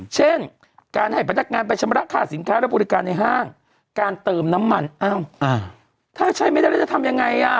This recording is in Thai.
เช่นการให้พนักงานไปชำระค่าสินค้าและบริการในห้างการเติมน้ำมันอ้าวถ้าใช้ไม่ได้แล้วจะทำยังไงอ่ะ